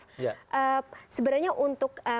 iya sebenarnya untuk